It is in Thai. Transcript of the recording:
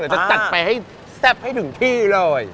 จะจัดไปให้แซ่บให้ถึงที่เลย